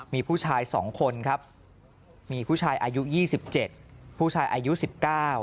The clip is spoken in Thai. มีผู้ชายสองคนครับมีผู้ชายอายุยี่สิบเจ็ดผู้ชายอายุสิบเก้า